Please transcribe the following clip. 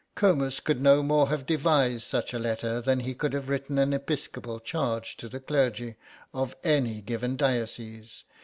Comus could no more have devised such a letter than he could have written an Episcopal charge to the clergy of any given diocese.